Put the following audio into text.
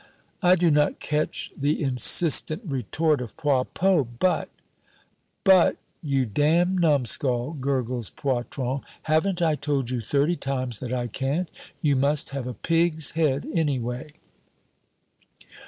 I do not catch the insistent retort of Poilpot, but "But, you damned numskull," gurgles Poitron, "haven't I told you thirty times that I can't? You must have a pig's head, anyway!"